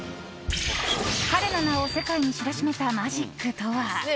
彼の名を世界に知らしめたマジックとは。